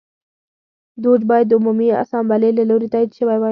دوج باید د عمومي اسامبلې له لوري تایید شوی وای.